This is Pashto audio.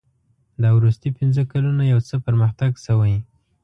دا وروستي پنځه کلونه یو څه پرمختګ شوی.